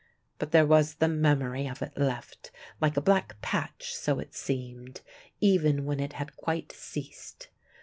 But there was the memory of it left, like a black patch, so it seemed, even when it had quite ceased.